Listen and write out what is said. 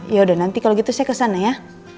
yaudah nanti kalau gitu saya kesana ya